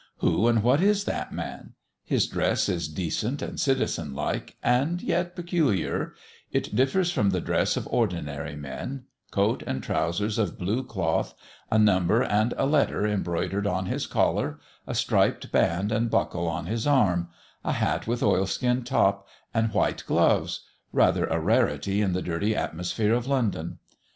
Who and what is that man? His dress is decent and citizen like, and yet peculiar; it differs from the dress of ordinary men; coat and trowsers of blue cloth; a number and a letter embroidered on his collar; a striped band and buckle on his arm; a hat with oilskin top, and white gloves rather a rarity in the dirty atmosphere of London.